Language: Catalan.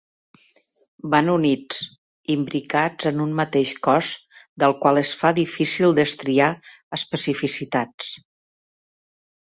Van units, imbricats en un mateix cos del qual es fa difícil destriar especificitats.